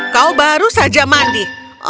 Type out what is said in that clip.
kau baru saja mandi